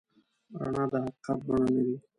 رڼا د حقیقت بڼه لري.